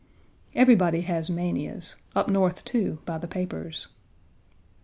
Everybody has manias up North, too, by the papers.